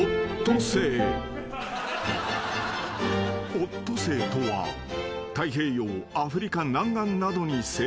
［オットセイとは太平洋アフリカ南岸などに生息］